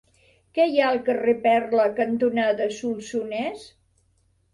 Què hi ha al carrer Perla cantonada Solsonès?